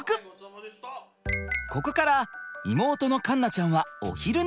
ここから妹の環奈ちゃんはお昼寝。